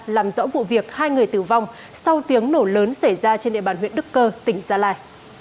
làm rõ vụ việc hai người tử vong sau tiếng nổ lớn xảy ra trên địa bàn huyện đức cơ tỉnh gia lai